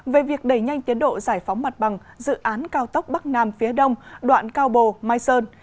về việc đẩy nhanh tiến độ giải phóng mặt bằng dự án cao tốc bắc nam phía đông đoạn cao bồ mai sơn